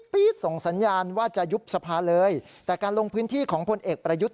ส่งสัญญาณว่าจะยุบสภาเลยแต่การลงพื้นที่ของพลเอกประยุทธ์